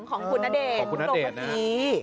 ของคุณณเดชน์